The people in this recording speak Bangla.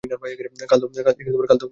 কাল তো কিছু বলেনি?